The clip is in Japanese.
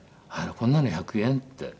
こんなの１００円？って。